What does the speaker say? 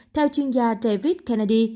theo chuyên gia david kennedy